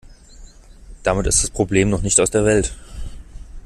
Damit ist das Problem noch nicht aus der Welt.